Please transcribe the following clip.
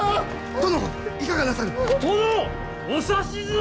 殿！